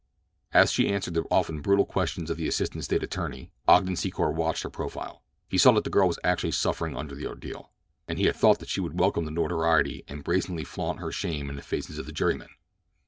As she answered the often brutal questions of the assistant State attorney Ogden Secor watched her profile. He saw that the girl was actually suffering under the ordeal; and he had thought that she would welcome the notoriety and brazenly flaunt her shame in the faces of the jurymen!